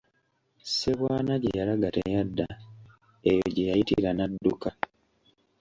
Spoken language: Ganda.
Ssebwana gye yalaga teyadda, eyo gye yayitira n'adduka.